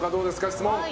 質問。